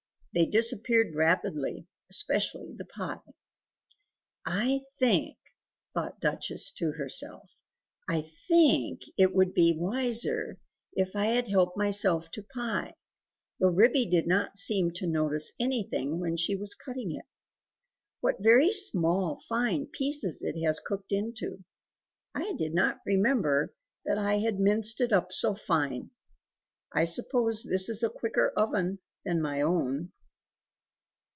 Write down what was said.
They disappeared rapidly, especially the pie! "I think" (thought the Duchess to herself) "I THINK it would be wiser if I helped myself to pie; though Ribby did not seem to notice anything when she was cutting it. What very small fine pieces it has cooked into! I did not remember that I had minced it up so fine; I suppose this is a quicker oven than my own."